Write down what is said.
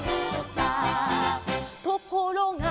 「ところが」